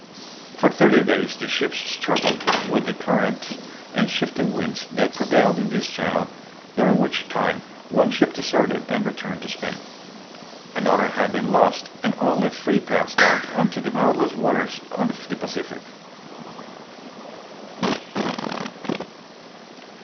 For thirty days the ships struggled with the currents and shifting winds that pre vail in this channel ,, during which time one ship deserted and returned to Spain; another had been lost, and only three passed out onto the boundless waters of the Pacific.